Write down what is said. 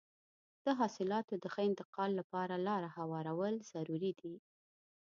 د حاصلاتو د ښه انتقال لپاره لاره هوارول ضروري دي.